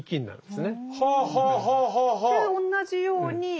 で同じように。